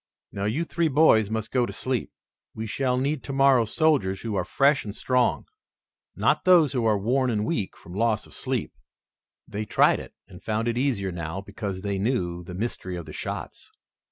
Now you three boys must go to sleep. We shall need tomorrow soldiers who are fresh and strong, not those who are worn and weak from loss of sleep." They tried it and found it easier now because they knew the mystery of the shots.